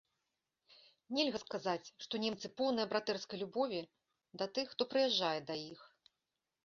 Нельга сказаць, што ненцы поўныя братэрскай любові да тых, хто прыязджае да іх.